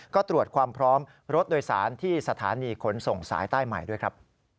ก็ตรวจความพร้อมรถโดยสารที่สถานีขนส่งสายใต้ใหม่ด้วยครับ